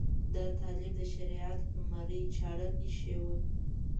دا طالب د شریعت پر مرۍ چاړه ایښې وه.